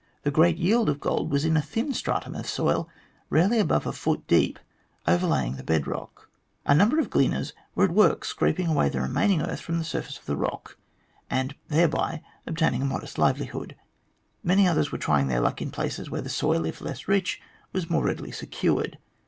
The great yield of gold was in a thin stratum of soil, rarely above a foot deep, overlying the bed rock. A number of gleaners were at work scraping away the remaining earth from the surface of the rock, and there by obtaining a modest livelihood. Many others were trying their luck in places where the soil, if less rich, was more readily secured.